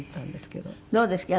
どうですか？